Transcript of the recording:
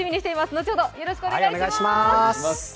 後ほどよろしくお願いします。